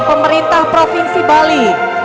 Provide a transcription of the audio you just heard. pemerintah provinsi bali